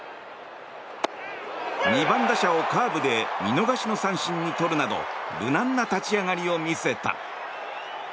２番打者をカーブで見逃しの三振に取るなど無難な立ち上がりを見せた。